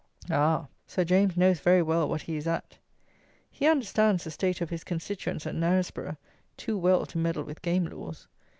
Ah! Sir James knows very well what he is at. He understands the state of his constituents at Knaresborough too well to meddle with game laws.